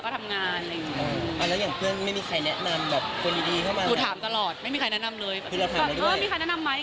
ทำงานว่างี้